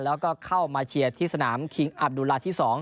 แล้วก็เข้ามาเชียร์ที่สนามคิงอับดุลาที่๒